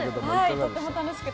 とっても楽しくて。